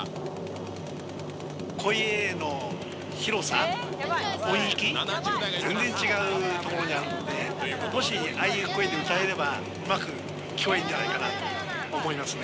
声の広さ、音域、全然違う所にあるので、もし、ああいう声で歌えれば、うまく聴こえるんじゃないかなと思いますね。